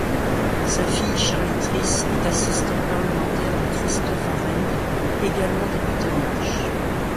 Sa fille Charlie Trisse est assistante parlementaire de Christophe Arend, également député En marche.